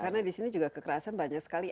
karena di sini juga kekerasan banyak sekali